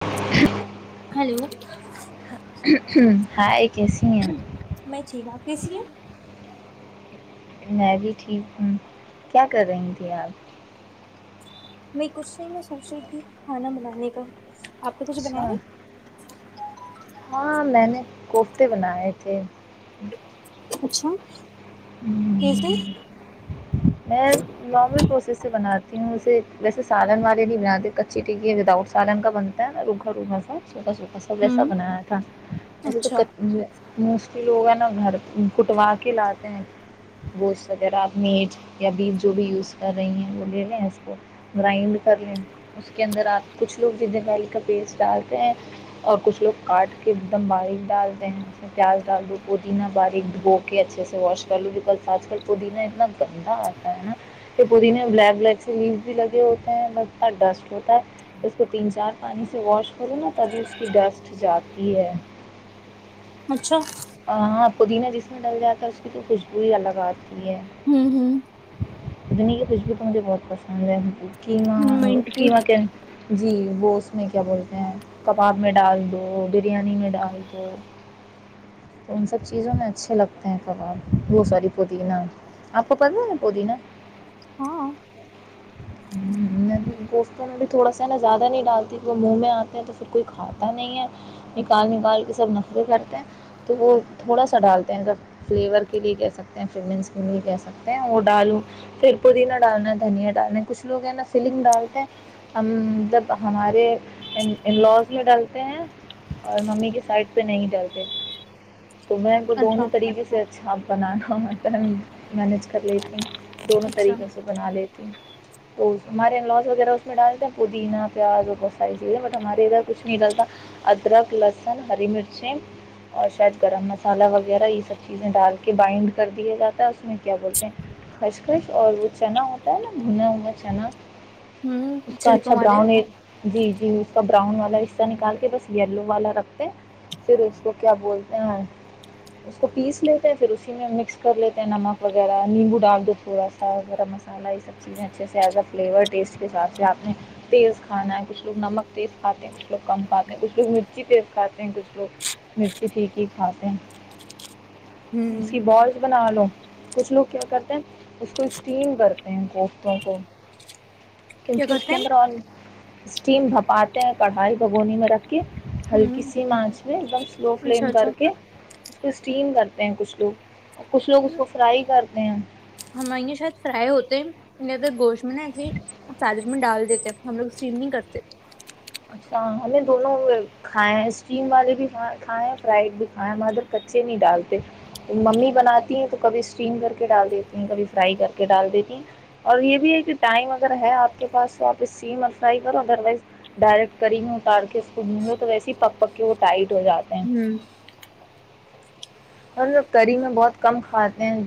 ش [inaudible] ہیلو ہ ہاں میں ٹھیک آپ کیسی ہیں میں بھی ٹھیک ہوں کیا کر رہی تھی آپ میں کچھ نہیں میں سوچ رہی تھی کھانا بنانے کا آپ تو کچھ بنایا اچھا ہے ہاں میں نے کوفتے بنائے تھے اچھا کیسے ہمم، میں لارمل پروسیس سے بناات تھا ن اسے ویسےالن والے نہیں بناتے کچی ٹکے وداؤٹ سالن کا بنتا ہے ن روکھا روکھا سوکھا سوتاا ایسا ویسا ہوں بنایا تھا ویسے اچھا تو لوگ ہے نا گھر کٹوا کے لاتے ہیں گوشت وغیرہ میج یا بیج جو بھی یوز کر رہی ہیں وہ لے لیں اس کو گرائنڈ کر لیں اس کے اندر آپ کچھ لوگ جد ڈی کا پیسٹ ڈالتے ہیں اور کچھ لوگ کاٹ کے ایک دم باریک ڈالتے ہیں اس میں پیاز ڈال لو پودینہ باریک دھو کے اچھے سے واش کر لوں بکس آج کل پودینہ اتنا گندہ آتا ہے ا کہ پودینے بلیک بلیک سے لییوز بھی لگے ہوتے ہیں ب ڈسٹ ہوتا ہے اس کو تین چار پانی سے واش کروں نا تبھی اس کی ڈسٹ جاتی ہے اچھا ہاں پودینہ جس میں ڈل جاتا ہے اس کی تو خوشبو ہی الگ آتی ہے ہوں ہوں پودنی کی خوشبو تو مجھے بہت پسند ہے [inaudible] کیاں کیا کی [inaudible] جی بوس میں کیا بولتے ہیں کباب میں ڈال دو بریانی میں ڈال دو [inaudible] تو ان سب چیزوں میں اچھے لگتے ہیں کباب وہ ساری پودینہ آپ کو پتاہ ہے نا پودینہ [inaudible] ہاں گوفتہ میں بھی تھوڑا سا نا زیادہ نہیں ڈالتی وہ منہ میں آتے ہیں تو پھر کوئی کھاتا نہیں ہے نکال نکال کے سب نخرے کرتے ہیں تو وہ تھوڑا سا ڈالتے ہیں سب فلیور کے لیے کہہ سکتے ہیں فنس کے لیے کہہ سکتے ہیں وہ ڈالوں پھر پودینہ ڈالنا دھنیا ڈالنا ہے [inaudible] کچھ لوگ ہیں نا فیلنگ ڈالتے ہیں ہم مطلب ہمارے لوز میں ڈلتے ہیں اور ممی کی سائڈ پہ نہیں ڈلتے تو میں کو اچھا دونوں طریقے سے اچھا بنانا م مینج کر لیتی ہ [inaudible] دونوں اچھا طریقے سے بنا لیتی تو ہمارے انوس وغیرہ اس میں ڈالتے ہیں پودینہ پیاز اور بہت ساری چیزیں بٹ ہمارے ادھر کچھ نہیں ڈلتا ادرک لہسن ہری مرچیں اور شاید گرم مسالہ وغیرہ یہ سب چیزیں ڈال کے بائنڈ کر دیا جاتا ہے اس میں کیا بولتے ہیں خشخش اور وہ چنا ہوتا ہے نا [inaudible] ان ہوچانا ہوں [inaudible] اس کا اچھا چھلکوں والے براؤن ای جی جی اس کا براؤن والا حصہ نکال کے بس یلو والا رکھتے ہیں پھر اس کو کیا بولتے ہیں اس کو پیس لیتے ہیں پھر اسی میں مکس کر لیتے ہیں نمک وغیرہ نیمبو ڈال دو تھوڑا سا گرم مسالہ یہ سب چیزیں اچھے سے ایز اے فلیور ٹیسٹ کے حساب سے آپ نے تیز کھانا ہے کچھ لوگ نمک تیز کھاتے ہیں کچھ لوگ کم کھاتے ہیں کچھ لوگ مرچی تیز کھاتے ہیں کچھ لوگ مرچی ٹھیک ہی کھاتے ہیں ہوں اس کی بز بنا لو کچھ لوگ کیا کرتے ہیں اس کو اسٹیم کرتے ہیں ان کو رون کو [inaudible] کیا کیونکہ اس کرتے کے ہیں اندر اور اسٹیم بھپاتے ہیں کڑھائی بھگونی میں رکھ کے ہلکی ہوں سی مانچ میں ایک دم سلو اچھا فلیم اچھا کر کے اس کو اسٹیم کرتے ہیں کچھ لوگ کچھ لوگ اس کو فرائی کرتے ہیں ہماں شاید فرائی ہوتے ہیں ن تو گوشت میں تجر میں ڈال دیتے ہیں پھر ہم لوگ سومنگ کرتے اچھا ہمیں دونوں کھائے ہیں اسٹیم والے بھی کھائے ہیں فرائیڈ بھی کھائے مادر کچے نہیں ڈالتے ممی بناتی ہیں تو کبھی اسٹیم کر کے ڈال دیتی ہیں کبھی فرائی کر کے ڈال دیتی ہیں اور یہ بھی ہے کہ ٹائم اگر ہے آپ کے پاس تو آپ اسٹیم اور فرائی کرو ادر وائز ڈائریکٹ کری گ میں اتار کے اس میں تو ویسے پک پک کے وہ ٹائٹ ہو جاتے ہیں ہوں اور ل کری میں بہت کم کھاتے ہیں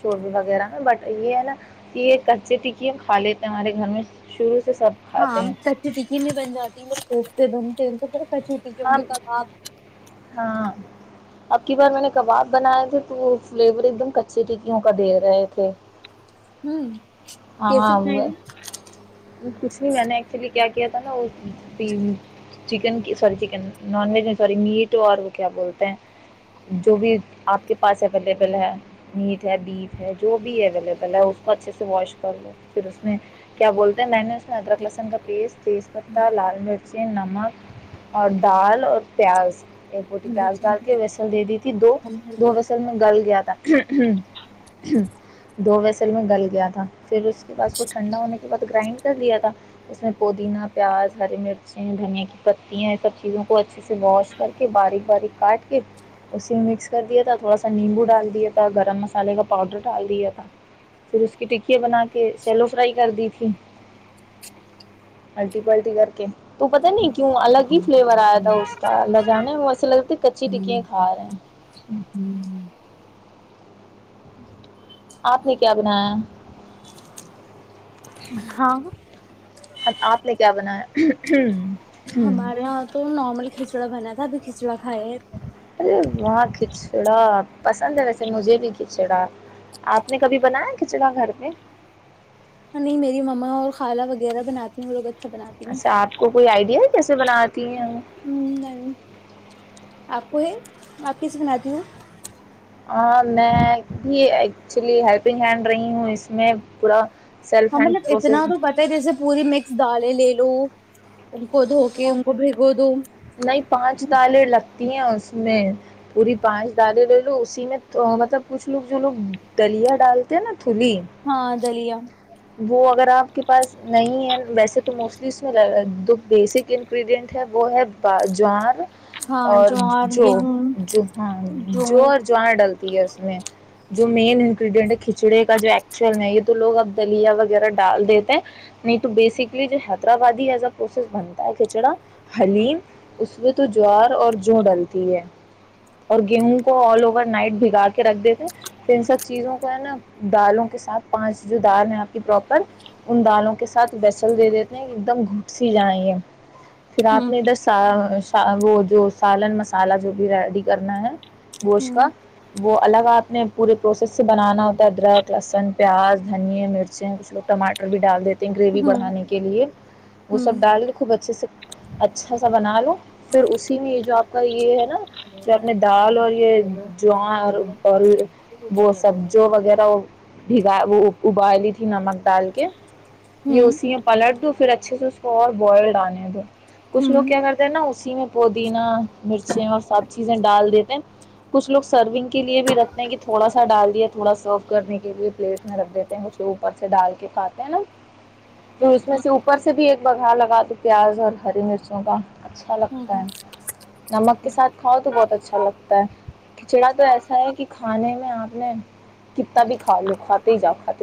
شوربے وغیرہ میں بٹ یہ ہے نا کہ یہ کچے ٹکی کھا لیتے ہیں ہمارے گھر میں شرو سے سب کھاتے ہاں ہیں سچی تکی میں بن جاتی ل کووفتے بن ٹت چھیٹی کی ہوں ہاں گی کباب ہاں اب کی بار میں نے کباب بناائے تھے تو وہ فلیور ایک دم کچے ٹکیوں کا دے رہے تھے ہوں کیسے ہاں بنائے ہوئے گے کچھ نہیں میں نے ایکچولی کیا کیا تھا نا چکن کی سوری چکن نان ویج میں سوری میٹ اور وہ کیا بولتے ہیں جو بھی آپ کے پاس اویلیبل ہے میٹ ہے بیف ہے جو بھی اویلیبل ہے اس کو اچھے سے واش کر لو پھر اس میں کیا بولتے ہیں میں نے اس میں ادرک لہسن کا پیس تیز پتہ لال مرچی نمک اور دال اور پیاز ایک روٹی پیاز ہاں ڈال کے ویسل دے دی تھی دو دو ویسل میں گل گیا تھا [inaudible] دو ویصل میں گل گیا تھا پھر اس کے بعد اس کو ٹھنڈا ہونے کے بعد گرائنڈ کر دیا تھا اس میں پودینہ پیاز ہری مرچیں دھنیا کی پتیاں سب چیزوں کو اچھے سے واش کر کے باریک باریک کاٹ کے اسے مکس کر دیا تھا تھوڑا سا نیمبو ڈال دیا تھا گرم مسالے کا پاؤڈر ڈال دیا تھا پھر اس کی ٹ بنا کے سیلو فرائی کر دی تھی الٹی پلٹی کر کے تو پتا نہیں کیوں الگ ہی فلیور آیا تھا اس کا لجانے میں ایسے لگتا کچی ٹکیا کھا رہے آپ نے کیا بنایا ہاں ہم آپ نے کیا بنایا ہ ہمارے یہاں تو نارمل کھچڑا بنا تھا ابھی کھچڑا کھائے ارے وہاں کھچڑا پسند ہے ویسے مجھے بھی کھچڑا آپ نے کبھی بنایا کھچڑا گھر پ نہیں میری مما اور خالا وغیرہ بناتی ہیںوں وہو بچے اچھا آپ کو کوئی آئیڈیا ہے جس سے بناتی ہیں ہ م آپ کو یہ آپ کیسے بناتی ہوں میں بھی ایکچولی ہیلپنگ ہینڈ رہی ہوں اس میں پورا سیلف ہینڈ ہمیںلب اتنا پروسیس تو پتاہ ہے جیسے پوری مکس دالیں لے لو ان کو دھو کے ہاں ان کو بھگو دو نہیں پانچ دالیں لگتی ہیں اس میں پوری پانچ ڈالیں لے لو اسی میں تو مطلب کچھ لوگ جو لوگ دلیا ڈالتے ہیں نا تھلی ہاں دلیا وہ اگر آپ کے پاس نہیں ہے ویسے تو موسٹلی اس میں دو بیسک انگریڈینٹ ہے وہ ہے باجار ہاں اور جوار جو گیہوں ہاں جو اور جواں ڈلتا اس میں جو مین انگریڈینٹ ہے کھچڑے کا جو ایکچول ہے یہ تو لوگ اب دلیا وغیرہ ڈال دیتے ہیں نہیں تو بیسکلی جو حیدرآبادیز پروسیس بنتا ہے کھچڑا حلیم اس میں تو جوار اور جو ڈلتی ہے اور گیہوں کو آل اوور نائٹ بگاڑ کے رکھ دیتے ہیں پھر ان سب چیزوں کو ہے نا دالوں کے ساتھ پانچ جو دال میں آپ کی پراپر ان دالوں کے سات بیسل دے دیتے ہیں ایک دم گھٹ س جائیں گے پھر آپ ہوں نے ادھر وہ جو سالن مسالحہ جو بھی ریڈی کرنا ہے گوش ہوں ہوں کا وہ الگ آپ نے پورے پروسیس سے بنانا ہوتا ہے ادرک لہسن پیاز دھنییا مرچیں کچھوگ ٹمار بھی ڈال دیتے گریوی ہوں بڑھانے کے لیے وہ ہوں سب ڈال کے خوب اچھے سے اچھا سا بنا لو پھر اسی میں یہ جو آپ کا یہ ہے نا جو اپپنے دال اور یہ جواں اور اور وہ سبجوں وغیرہ بھگا وہ ابال لی تھی نمک ڈال کے یہ اسی میں پلٹ دو پھر اچھے سے اس کو اور بوائل ڈالنے دو کچھ لوگ کیا کرتے ہیں نا اسی میں پودینہ مرچیں اور سب چیزیں ڈال دیتے ہیں کچھ لوگ سرونگ کے لیے بھی رکھتے ہیں کہ تھوڑا سا ڈال دیا تھوڑا سرو کرنے کے لیے پلیٹ میں رکھ دیتے ھ اوپر سے ڈال کے کھاتے ہیں نا پھر اس میں سے اوپر سے بھی ایک بگھارا لگا دو پیاز اور ہری مرچوں کا اچھا ہوں لگتا ہے ہوں نمک کے ساتھ کھاؤ تو بہت اچھا لگتا ہے کھچڑا تو ایسا ہے کہ کھانے میں آپ نے کتا بھی کھا لو کھاتے ہی جاؤ کھاتا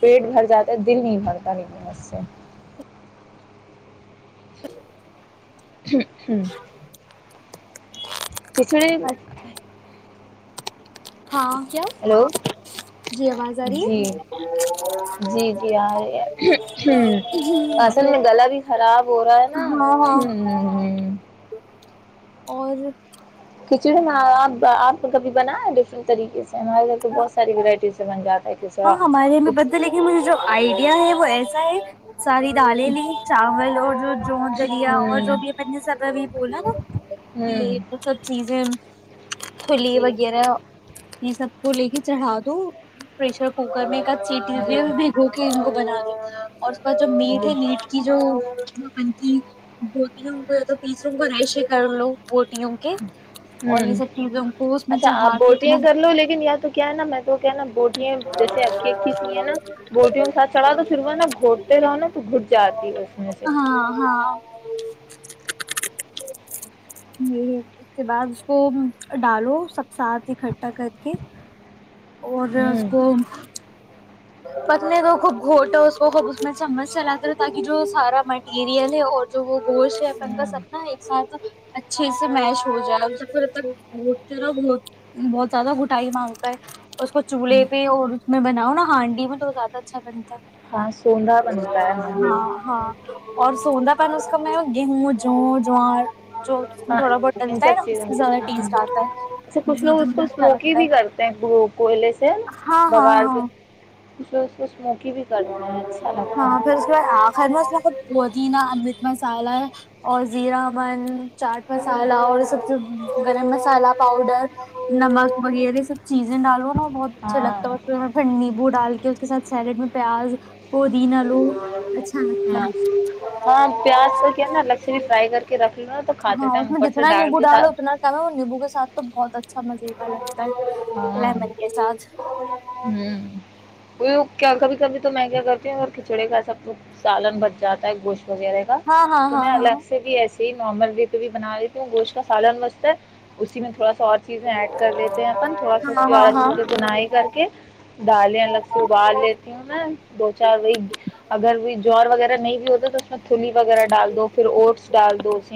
پیٹ بھر جاتا ہے دل نہیں بھرتاس سے ہ ہوں توچھڑے ہاں کیا ہلو جی آواز آ رہی جی جی جی آ رہی ہے ہے ہ اصل میں گلا بھی خراب ہو رہا ہے نا ہاں ہاں ہ ہ اور کھچڑیپ آپ کبھی بنا ہے ڈفرنٹ طریقے سے ہمارے گھر تو بہت ساری ورائٹیز سے بن جاتا ہے کھچڑی ہاں ہمارے ب ل کہن مجھے جو آئیڈیا ہے وہ ایسا ہے ساری دالیں نے چاول اور جو جو دلیا اور جو ہوں بھی اپنے سب میں بولا نا ہوں وہ سب چیزیں تھھولی جی وغیرہ یہ سب کو لے کے چڑھا دو پریشر کوکر میں چیٹی جی بھی د کے ان کو بنا دو اور جو میٹ جی ہے میٹ کی جو پ ت بوٹگ ہو گ تو پیس روم کا رہیش کر لگ ب ہ کو اس میں اچھا آپ چڑھا کے بوٹنگ کر لو لیکن یا تو کیا ہے نا میں تو کیا نا بوٹ جیسے اھی اھی سی ہیں نا بوٹیوں کے ساتھ چڑا تو پھر وہ نا گھوٹتے رہو نا تو گھٹ جاتی ہے اس میں سے ہاں ہاں یہ اس کے بعد اس کو ڈالو سب ساتھ ا کٹ ٹا کر کے اور ہوں ہن پتنے تو خوب گھوٹا اس کو خوب اس میں چمھ چلاتے تھے تاکہ جو سارا مٹیریل ہے اور جو وہ گوش ہے پنکا ہوں سب نا ایک ساتھ اچھے سے میش ہو جائےب پھرک بہتا بت بہت زیادہ گٹائی مانگتا ہے اس کو ہوں چولہے پہ اور اس میں بناؤ نا ہانڈ بھی میں تو زدہ اچھا بنتا ہاں سوندھا بنتا ہے ہانڈی ہاں میں ہاں اور سوند اس کا میں گیہوں جو جوار جو ہاں تھوڑا بہت ان ڈلتا سب ہے نا اس چیزوں سے زیادہ ہاں ٹیسٹ آتا ہاںے ہے کچھ لوگ زیادہ اس کو مجھے اچھا اسموکی لگتا بھی ہے کرتے ہیں کوئلے سے ہاں بگ ہاں سے ہاں و و و ہاں پھر اس کے بعد آخر ن اس میں بت ہی نا ات مسالہ ہے اور زیرہ من چاٹ مسالہ اور یہ سب سے گرم مسالہ پاؤڈر نمک وغیرہ سب چیزیں ڈالو نا بہت اچھا ہاں لگتا ہے پھر میں پھر نیمبو ڈال کے کے سھ سیلڈ میں پیاز پودین آ لو اچا ہاں ہاں پیاز کا کیا نا الگ سے بھی فرائی کر کے رکھ لوں نا تو کھاتے ہاں ٹم اس میں اوپر سے جتنا ڈال نیمبو کے کھا سمج ہی پالے ہاں لیمن کے ساتھ [inaudible] ہوں وہ کیا کبھی کبھی تو میں کیا کرتی ہو چڑے کا سب کچ سالن بچ جاتا ہے گوشت وغیرہ کا ہاں ہاں تو میں ہاں ہاں الگ سے بھی ایسی نارمل تو بھی بنا لیتی ہوں گوشت کا سالھن وستا ہے اسی میں تھوڑا سا اور چیزیں ایڈ کر لیتے ہیں اپن تھوڑا سا اس ہاں کی بعد ہاں ہاں اچھے ہاں سے بنائی کر دالیا الگ سے ابال لیتی ہوں میں دو چار وہی اگر بھی جو وغیرہ نہیں بھی ہو تو اس چولی وغیرہ ڈال دو پھر اوٹس ڈال دو اس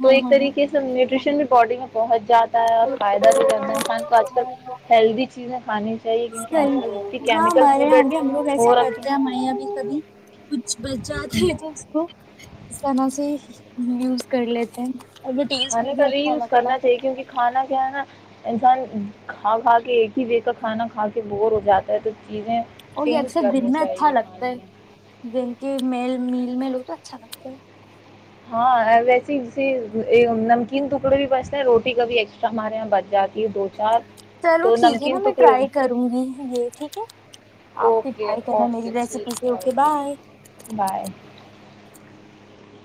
تو ہاں ایک ہاں ہاں طریقے سے ن بھی باڈی میں پہنچ جاتا تا ہے فائدہ بھی زیادہ انسان کو اج کل ہیلدی چیز ہے صحیح ہاں ہمارے فوڈ یہاں بھی ہم لوگ ایسا ہو رکھے کرتے ہیں ہمارے یہاںب کبھی کچھ بچ جاتا ہے تو اس کو اس طرح سے یوز کر لیتے ہیں اور وہ ٹیسٹ میں کھانے بھی کا ری اچھا یوز لگتا ہے کرنا چاہیے کیونکہ کھانا کیا ہے نا انسان کھا کھا کے ایک ہی و کا کھانا کھا کے بور ہو جاتا ہے تو چیزیں اور یہ چینج اکثر دن کرنی میں اچھا چاہیے لگتا کھانے ہے میں دن کے میل مل ل میں لو تو اچھا لگتا ہے ہاں ویسے جیسے نمکین ٹکڑے بھی بچتے ہیں روٹی کابھی ایکسٹرا ہمارے یہاں بچ جاتی ہے دو چار چلو تو ٹھیک ہے نا نمکین میں ٹکڑے ٹرائی کروں گی یہ ٹھیک ہے آپ بھی اوکے ٹرائی کرنا اوکے میری ریسیپی ٹھیک سے ہے اوکے بائے بائے